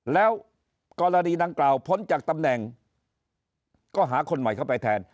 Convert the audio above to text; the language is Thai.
แล้วกรณีดังกล่าวพ้นจากตำแหน่งก็หาคนใหม่เข้าไปแทน